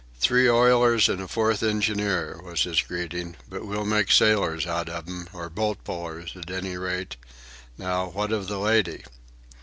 "Three oilers and a fourth engineer," was his greeting. "But we'll make sailors out of them, or boat pullers at any rate. Now, what of the lady?"